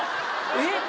えっ！？